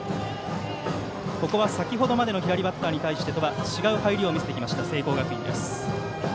ここは先程までの左バッターに対しては違う入りを見せてきた聖光学院。